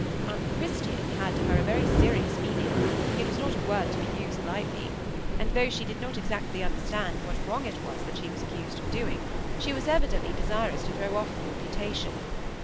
"Unchristian" had to her a very serious meaning; it was not a word to be used lightly; and though she did not exactly understand what wrong it was that she was accused of doing, she was evidently desirous to throw off the imputation.